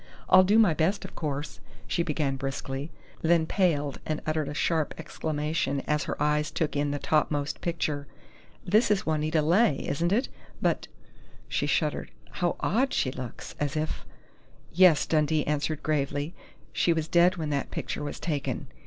"I'll do my best, of course," she began briskly, then paled and uttered a sharp exclamation as her eyes took in the topmost picture. "This is Juanita Leigh, isn't it?... But " she shuddered, "how odd she looks as if " "Yes," Dundee agreed gravely. "She was dead when that picture was taken.